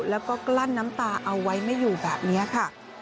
แล้วก็กลั้นน้ำตาเอาไว้ไม่อยู่แบบนี้ค่ะ